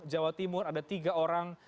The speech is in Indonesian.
jawa timur ada tiga orang